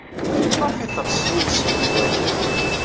Maɣef ay teɣs yiwet seg tidak?